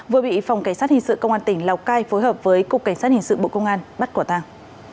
vừa bị phòng cảnh sát hình sự công an tỉnh lào cai phối hợp với cục cảnh sát hình sự bộ công an bắt quả tàng